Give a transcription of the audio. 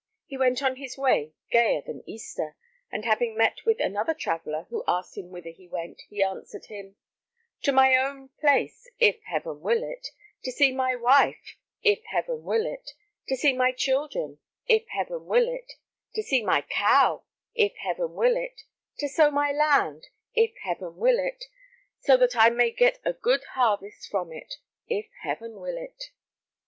He went on his way gayer than Easter, and having met with another traveler, who asked him whither he went, he answered him: "To my own place, if Heaven will it; to see my wife, if Heaven will it; to see my children, if Heaven will it; to see my cow, if Heaven will it; to sow my land, if Heaven will it; so that I may get a good harvest from it, if Heaven will it."